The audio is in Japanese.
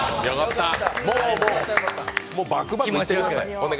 もうバクバクいってください。